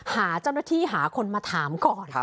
หาเจ้าหน้าที่หาคนมาถามก่อน